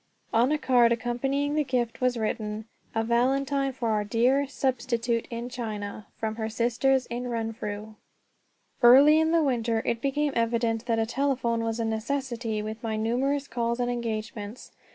On a card accompanying the gift was written: "A valentine for our dear 'substitute in China,' from her sisters in Renfrew." Early in the winter it became evident that a telephone was a necessity, with my numerous calls and engagements.